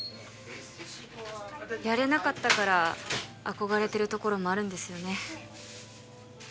やれなかったから憧れてるところもあるんですよね